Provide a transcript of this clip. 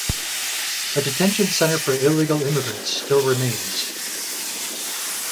A detention centre for illegal immigrants still remains.